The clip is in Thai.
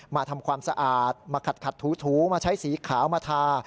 มาทำความสะอาดมาขัดถูมาใช้สีขาวมาทา